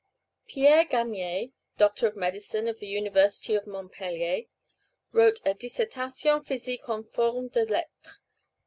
Pierre Gamier, Doctor of Medicine of the University of Montpellier, wrote a _Dissertation physique en forme de lettre, à M.